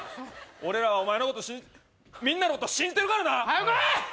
俺らはお前のことみんなのこと信じてるからなはよこい！